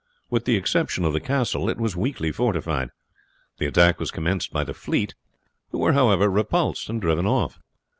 With the exception of the castle, it was weakly fortified. The attack was commenced by the fleet, who were, however, repulsed and driven off.